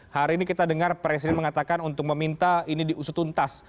hari ini kita dengar presiden mengatakan untuk meminta ini diusut untas